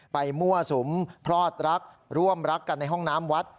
มั่วสุมพลอดรักร่วมรักกันในห้องน้ำวัด